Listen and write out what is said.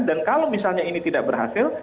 dan kalau misalnya ini tidak berhasil